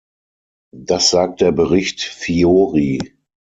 Das sagt der Bericht Fiori.